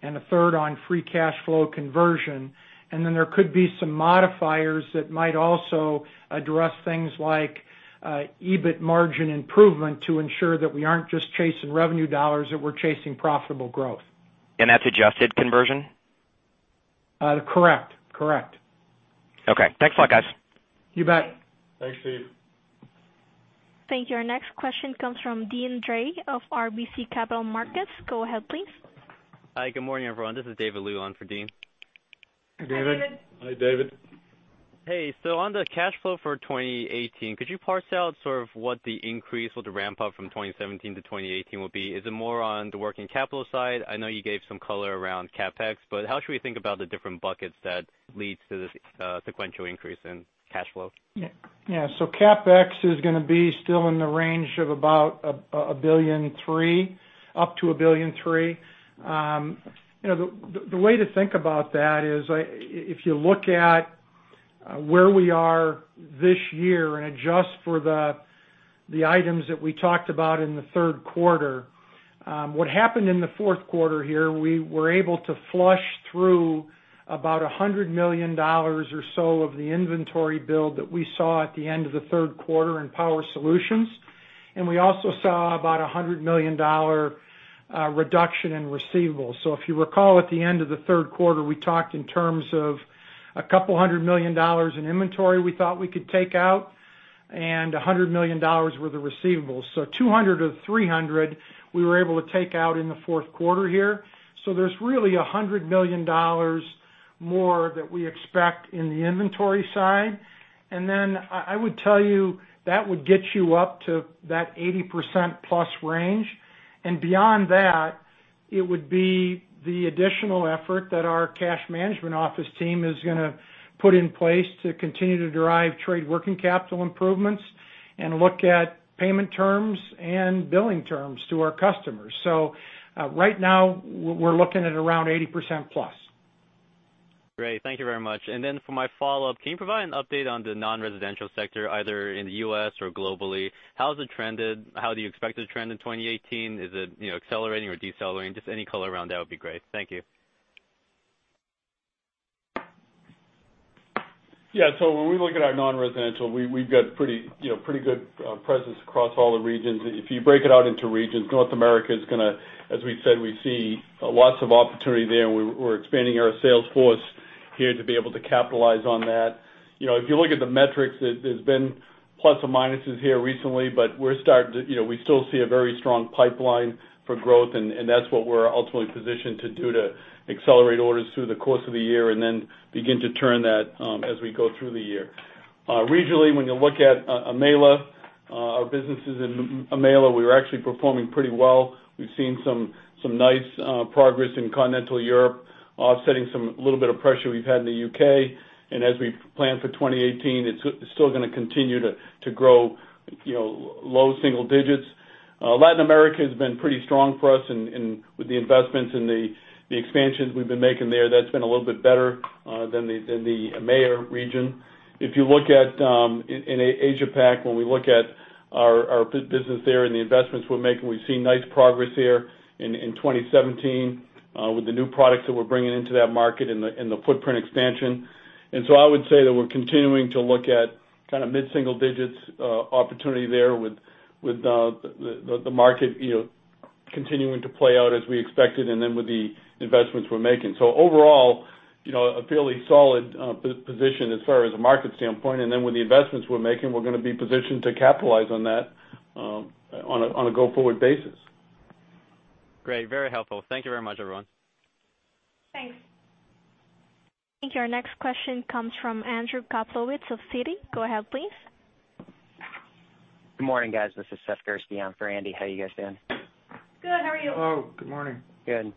and a third on free cash flow conversion. Then there could be some modifiers that might also address things like EBIT margin improvement to ensure that we aren't just chasing revenue dollars, that we're chasing profitable growth. That's adjusted conversion? Correct. Okay. Thanks a lot, guys. You bet. Thanks, Steve. Thank you. Our next question comes from Deane Dray of RBC Capital Markets. Go ahead, please. Hi, good morning, everyone. This is David Lu on for Deane. Hi, David. Hi, David. Hey. On the cash flow for 2018, could you parse out sort of what the increase with the ramp up from 2017 to 2018 will be? Is it more on the working capital side? I know you gave some color around CapEx, but how should we think about the different buckets that leads to this sequential increase in cash flow? Yeah. CapEx is going to be still in the range of about up to $1.3 billion. The way to think about that is if you look at where we are this year and adjust for the items that we talked about in the third quarter. What happened in the fourth quarter here, we were able to flush through about $100 million or so of the inventory build that we saw at the end of the third quarter in Power Solutions. We also saw about $100 million reduction in receivables. If you recall, at the end of the third quarter, we talked in terms of a couple hundred million dollars in inventory we thought we could take out, and $100 million were the receivables. $200 million-$300 million we were able to take out in the fourth quarter here. There's really $100 million more that we expect in the inventory side. Then I would tell you, that would get you up to that 80%+ range. Beyond that, it would be the additional effort that our cash management office team is going to put in place to continue to derive trade working capital improvements and look at payment terms and billing terms to our customers. Right now, we're looking at around 80%+. Great. Thank you very much. For my follow-up, can you provide an update on the non-residential sector, either in the U.S. or globally? How has it trended? How do you expect it to trend in 2018? Is it accelerating or decelerating? Just any color around that would be great. Thank you. When we look at our non-residential, we've got pretty good presence across all the regions. If you break it out into regions, North America is going to, as we've said, we see lots of opportunity there, we're expanding our sales force here to be able to capitalize on that. If you look at the metrics, there's been plus and minuses here recently, we still see a very strong pipeline for growth, that's what we're ultimately positioned to do to accelerate orders through the course of the year begin to turn that as we go through the year. Regionally, when you look at EMEALA, our businesses in EMEALA, we're actually performing pretty well. We've seen some nice progress in continental Europe, offsetting some little bit of pressure we've had in the U.K. As we plan for 2018, it's still going to continue to grow low single digits. Latin America has been pretty strong for us with the investments and the expansions we've been making there. That's been a little bit better than the EMEA region. If you look at in Asia Pac, when we look at our business there and the investments we're making, we've seen nice progress here in 2017 with the new products that we're bringing into that market and the footprint expansion. I would say that we're continuing to look at kind of mid-single digits opportunity there with the market continuing to play out as we expected with the investments we're making. Overall, a fairly solid position as far as a market standpoint. With the investments we're making, we're going to be positioned to capitalize on that on a go-forward basis. Great. Very helpful. Thank you very much, everyone. Thanks. I think our next question comes from Andrew Kaplowitz of Citi. Go ahead, please. Good morning, guys. This is Seth Gerszton for Andy. How you guys doing? Good. How are you? Hello. Good morning. Good.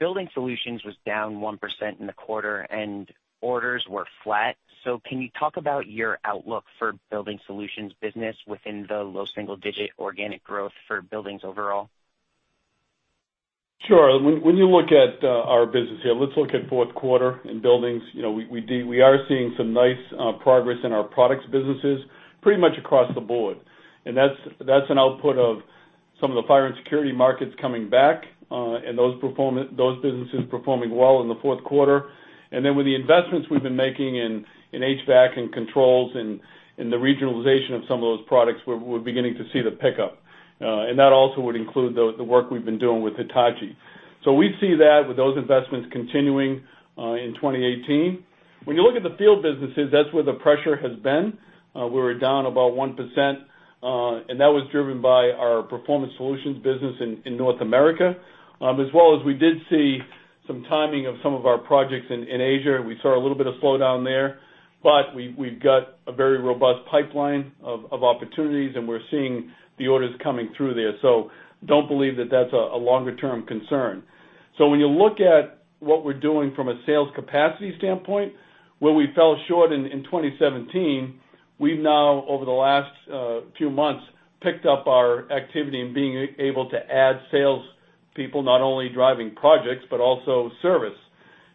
Building Solutions was down 1% in the quarter, orders were flat. Can you talk about your outlook for Building Solutions business within the low single-digit organic growth for buildings overall? Sure. When you look at our business here, let's look at fourth quarter in buildings. We are seeing some nice progress in our products businesses pretty much across the board. That's an output of some of the fire and security markets coming back, and those businesses performing well in the fourth quarter. With the investments we've been making in HVAC and controls and the regionalization of some of those products, we're beginning to see the pickup. That also would include the work we've been doing with Hitachi. We see that with those investments continuing in 2018. When you look at the field businesses, that's where the pressure has been. We were down about 1%, and that was driven by our performance solutions business in North America. As well as we did see some timing of some of our projects in Asia, and we saw a little bit of slowdown there. We've got a very robust pipeline of opportunities, and we're seeing the orders coming through there. Don't believe that that's a longer-term concern. When you look at what we're doing from a sales capacity standpoint, where we fell short in 2017, we've now, over the last few months, picked up our activity in being able to add sales people, not only driving projects, but also service.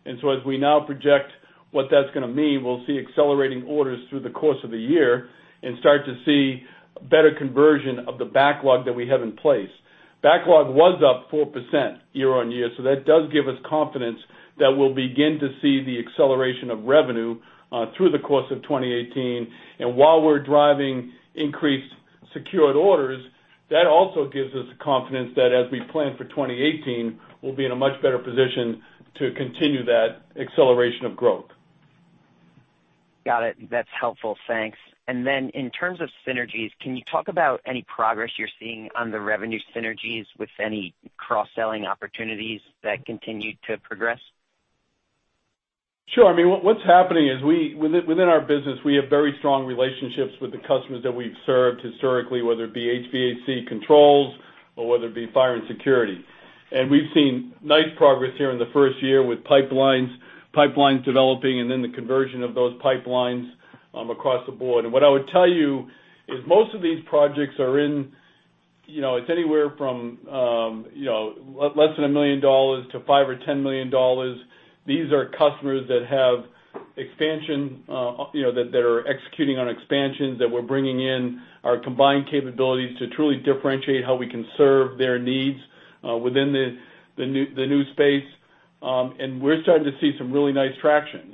As we now project what that's going to mean, we'll see accelerating orders through the course of the year and start to see better conversion of the backlog that we have in place. Backlog was up 4% year-over-year, that does give us confidence that we'll begin to see the acceleration of revenue through the course of 2018. While we're driving increased secured orders, that also gives us the confidence that as we plan for 2018, we'll be in a much better position to continue that acceleration of growth. Got it. That's helpful. Thanks. Then in terms of synergies, can you talk about any progress you're seeing on the revenue synergies with any cross-selling opportunities that continue to progress? Sure. What's happening is within our business, we have very strong relationships with the customers that we've served historically, whether it be HVAC controls or whether it be fire and security. We've seen nice progress here in the first year with pipelines developing, then the conversion of those pipelines across the board. What I would tell you is most of these projects, it's anywhere from less than $1 million to $5 million or $10 million. These are customers that are executing on expansions, that we're bringing in our combined capabilities to truly differentiate how we can serve their needs within the new space. We're starting to see some really nice traction.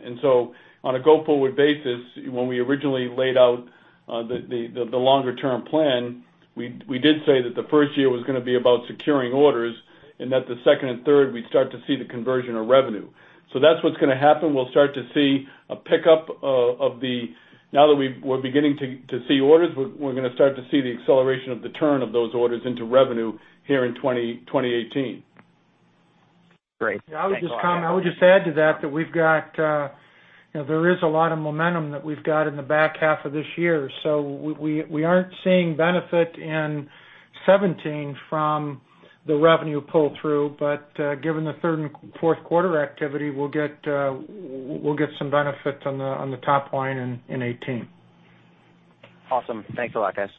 On a go-forward basis, when we originally laid out the longer-term plan, we did say that the first year was going to be about securing orders, that the second and third, we'd start to see the conversion of revenue. That's what's going to happen. We'll start to see a pickup. Now that we're beginning to see orders, we're going to start to see the acceleration of the turn of those orders into revenue here in 2018. Great. Thanks. I would just add to that there is a lot of momentum that we've got in the back half of this year. We aren't seeing benefit in 2017 from the revenue pull-through, but given the third and fourth quarter activity, we'll get some benefit on the top line in 2018. Awesome. Thanks a lot, guys.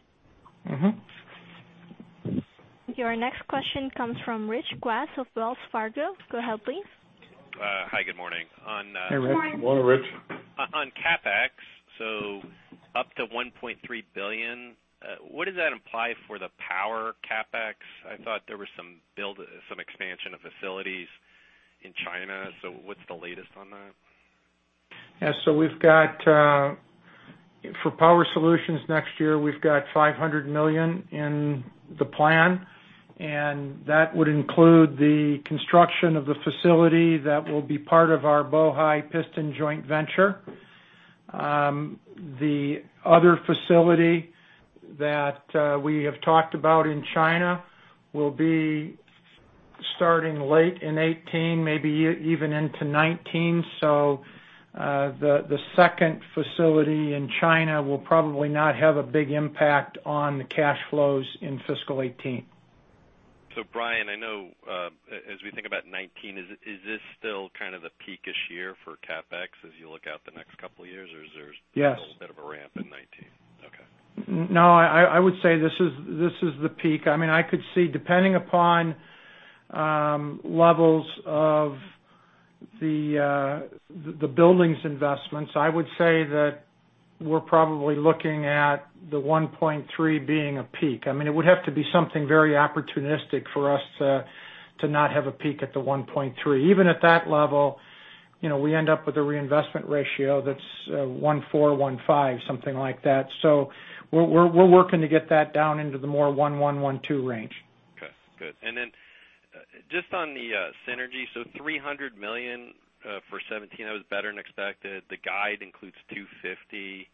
Your next question comes from Rich Gross of Wells Fargo. Go ahead, please. Hi, good morning. Hey, Rich. On CapEx, up to $1.3 billion. What does that imply for the power CapEx? I thought there was some expansion of facilities in China. What's the latest on that? Yeah, for Power Solutions next year, we've got $500 million in the plan, that would include the construction of the facility that will be part of our Bohai Piston joint venture. The other facility that we have talked about in China will be starting late in 2018, maybe even into 2019. The second facility in China will probably not have a big impact on the cash flows in fiscal 2018. Brian, I know, as we think about 2019, is this still kind of the peak-ish year for CapEx as you look out the next couple of years? Or is there Yes A little bit of a ramp in 2019? Okay. I would say this is the peak. I could see, depending upon levels of the buildings investments, I would say that we're probably looking at the $1.3 billion being a peak. It would have to be something very opportunistic for us to not have a peak at the $1.3 billion. Even at that level, we end up with a reinvestment ratio that's 1.4, 1.5, something like that. We're working to get that down into the more 1.1, 1.2 range. Okay, good. Just on the synergy, $300 million for 2017, that was better than expected. The guide includes $250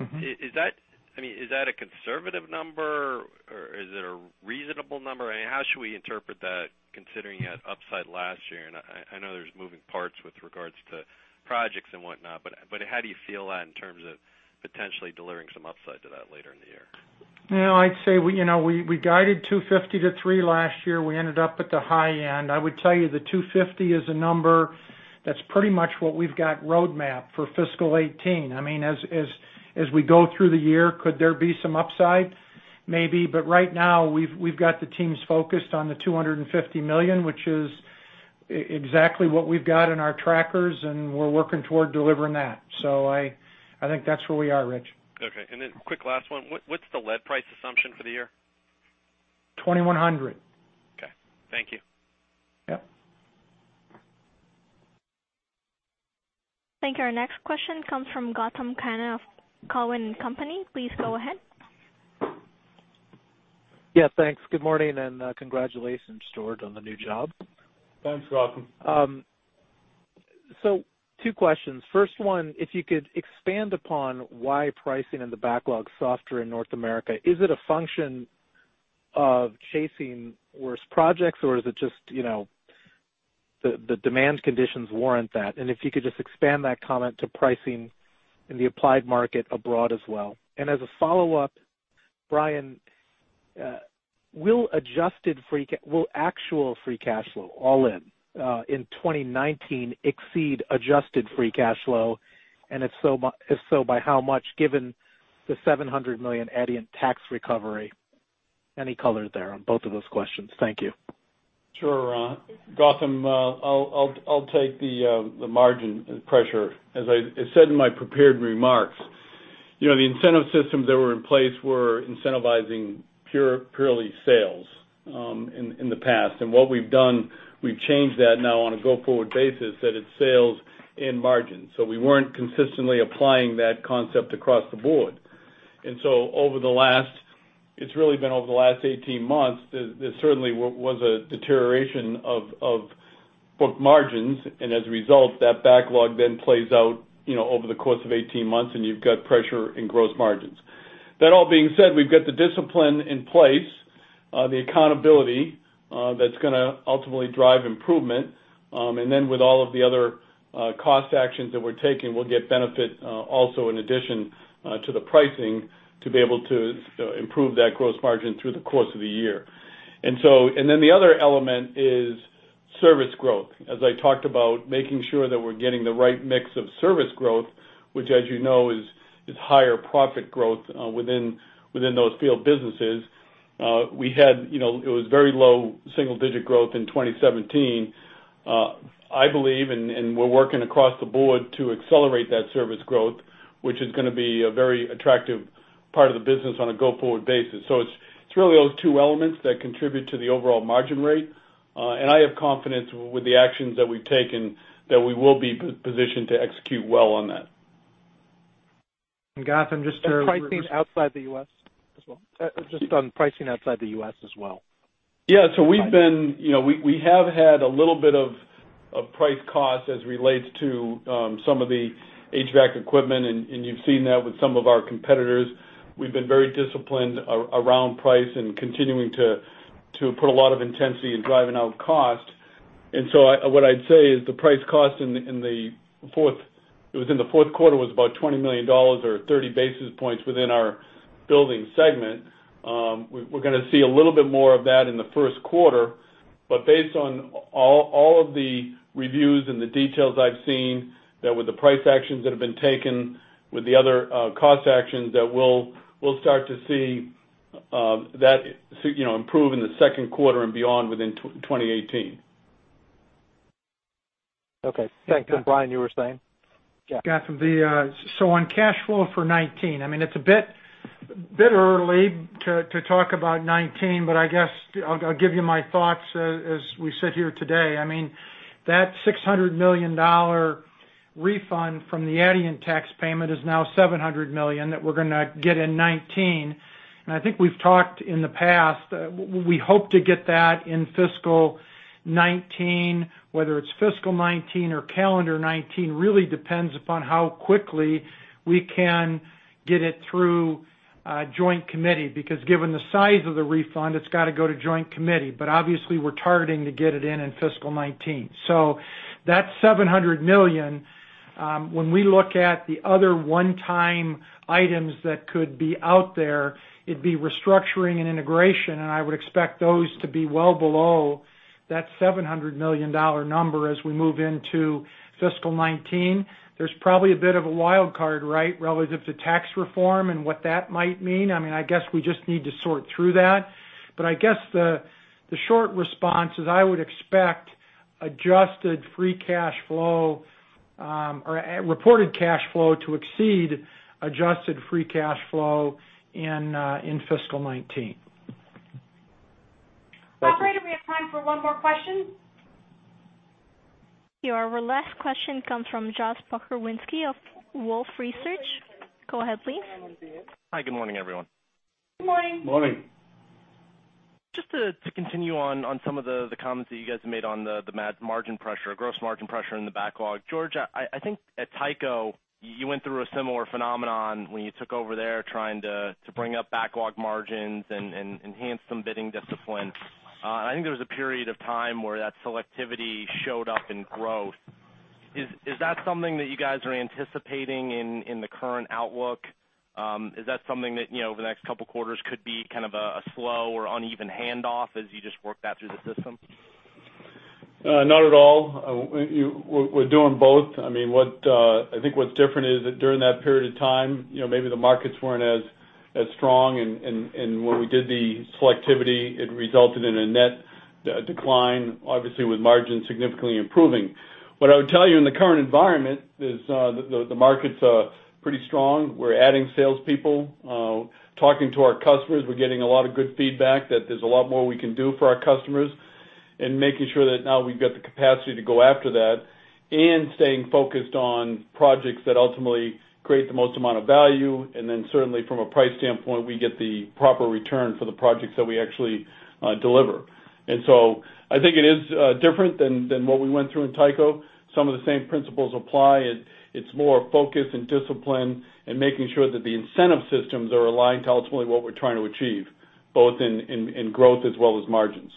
million. Is that a conservative number or is it a reasonable number? How should we interpret that considering you had upside last year? I know there's moving parts with regards to projects and whatnot, how do you feel that in terms of potentially delivering some upside to that later in the year? Well, I'd say, we guided $250 to $300 last year. We ended up at the high end. I would tell you that $250 is a number that's pretty much what we've got roadmap for FY 2018. As we go through the year, could there be some upside? Maybe. Right now, we've got the teams focused on the $250 million, which is exactly what we've got in our trackers, and we're working toward delivering that. I think that's where we are, Rich. Okay. Quick last one. What's the lead price assumption for the year? 2,100. Okay. Thank you. Yep. Thank you. Our next question comes from Gautam Khanna of Cowen and Company. Please go ahead. Yeah, thanks. Good morning, and congratulations, George, on the new job. Thanks, Gautam. Two questions. First one, if you could expand upon why pricing in the backlog softer in North America, is it a function of chasing worse projects or is it just the demand conditions warrant that? If you could just expand that comment to pricing in the applied market abroad as well. As a follow-up, Brian, will actual free cash flow, all in 2019 exceed adjusted free cash flow? If so, by how much, given the $700 million Adient tax recovery? Any color there on both of those questions? Thank you. Sure. Gautam, I'll take the margin pressure. As I said in my prepared remarks, the incentive systems that were in place were incentivizing purely sales, in the past. What we've done, we've changed that now on a go-forward basis, that it's sales and margins. We weren't consistently applying that concept across the board. It's really been over the last 18 months, there certainly was a deterioration of book margins. As a result, that backlog then plays out over the course of 18 months, and you've got pressure in gross margins. That all being said, we've got the discipline in place, the accountability, that's going to ultimately drive improvement. Then with all of the other cost actions that we're taking, we'll get benefit also in addition to the pricing to be able to improve that gross margin through the course of the year. The other element is service growth. I talked about making sure that we're getting the right mix of service growth, which as you know, is higher profit growth within those field businesses. It was very low single-digit growth in 2017. I believe, and we're working across the board to accelerate that service growth, which is going to be a very attractive part of the business on a go-forward basis. It's really those two elements that contribute to the overall margin rate. I have confidence with the actions that we've taken, that we will be positioned to execute well on that. Gautam, just to. Pricing outside the U.S. as well. Just on pricing outside the U.S. as well. We have had a little bit of price cost as it relates to some of the HVAC equipment, and you've seen that with some of our competitors. We've been very disciplined around price and continuing to put a lot of intensity in driving out cost. What I'd say is the price cost in the fourth quarter was about $20 million or 30 basis points within our buildings segment. We're going to see a little bit more of that in the first quarter. Based on all of the reviews and the details I've seen, that with the price actions that have been taken, with the other cost actions, that we'll start to see that improve in the second quarter and beyond within 2018. Okay. Thanks. Brian, you were saying? Gautam, on cash flow for 2019, it's a bit early to talk about 2019, but I guess I'll give you my thoughts as we sit here today. That $600 million refund from the Adient tax payment is now $700 million that we're going to get in 2019. I think we've talked in the past, we hope to get that in fiscal 2019. Whether it's fiscal 2019 or calendar 2019 really depends upon how quickly we can get it through a joint committee. Because given the size of the refund, it's got to go to joint committee. Obviously, we're targeting to get it in in fiscal 2019. That $700 million, when we look at the other one-time items that could be out there, it'd be restructuring and integration, and I would expect those to be well below that $700 million number as we move into fiscal 2019. There's probably a bit of a wild card, right, relative to tax reform and what that might mean. I guess we just need to sort through that. I guess the short response is I would expect reported cash flow to exceed adjusted free cash flow in fiscal 2019. Thank you. Operator, we have time for one more question. Your last question comes from Josh Pokrzywinski of Wolfe Research. Go ahead, please. Hi. Good morning, everyone. Good morning. Morning. Just to continue on some of the comments that you guys have made on the margin pressure, gross margin pressure in the backlog. George, I think at Tyco, you went through a similar phenomenon when you took over there trying to bring up backlog margins and enhance some bidding discipline. I think there was a period of time where that selectivity showed up in growth. Is that something that you guys are anticipating in the current outlook? Is that something that, over the next couple of quarters, could be kind of a slow or uneven handoff as you just work that through the system? Not at all. We're doing both. I think what's different is that during that period of time, maybe the markets weren't as strong, and when we did the selectivity, it resulted in a net decline, obviously with margins significantly improving. What I would tell you in the current environment is the markets are pretty strong. We're adding salespeople. Talking to our customers, we're getting a lot of good feedback that there's a lot more we can do for our customers, and making sure that now we've got the capacity to go after that, and staying focused on projects that ultimately create the most amount of value, then certainly from a price standpoint, we get the proper return for the projects that we actually deliver. I think it is different than what we went through in Tyco. Some of the same principles apply. It's more focus and discipline and making sure that the incentive systems are aligned to ultimately what we're trying to achieve, both in growth as well as margins.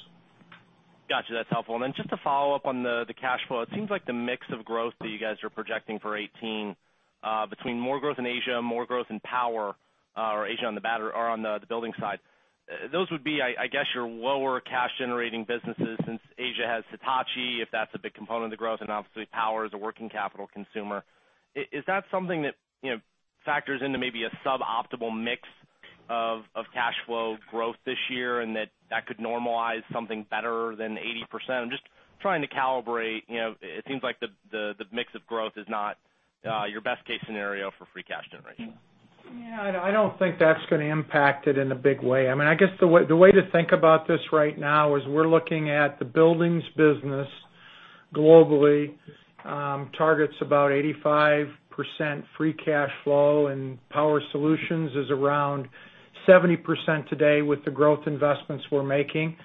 Got you. That's helpful. Just to follow up on the cash flow, it seems like the mix of growth that you guys are projecting for 2018, between more growth in Asia, more growth in Power or Asia on the building side. Those would be, I guess, your lower cash-generating businesses since Asia has Hitachi, if that's a big component of the growth, and obviously Power is a working capital consumer. Is that something that factors into maybe a suboptimal mix of cash flow growth this year and that that could normalize something better than 80%? I'm just trying to calibrate. It seems like the mix of growth is not your best-case scenario for free cash generation. I don't think that's going to impact it in a big way. I guess the way to think about this right now is we're looking at the buildings business globally targets about 85% free cash flow, and Power Solutions is around 70% today with the growth investments we're making.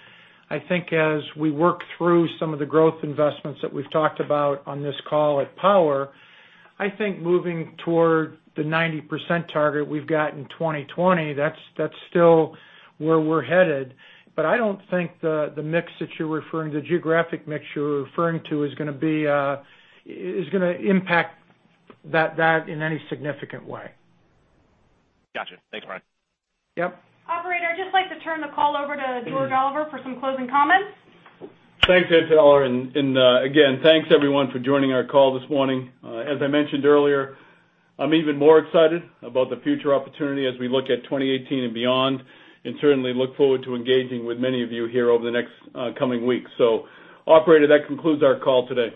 I think as we work through some of the growth investments that we've talked about on this call at Power, I think moving toward the 90% target we've got in 2020, that's still where we're headed. I don't think the geographic mix you're referring to is going to impact that in any significant way. Got you. Thanks, Brian. Yep. Operator, I'd just like to turn the call over to George Oliver for some closing comments. Thanks, Antonella, again, thanks everyone for joining our call this morning. As I mentioned earlier, I'm even more excited about the future opportunity as we look at 2018 and beyond, certainly look forward to engaging with many of you here over the next coming weeks. Operator, that concludes our call today.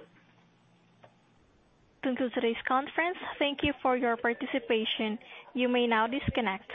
That concludes today's conference. Thank you for your participation. You may now disconnect.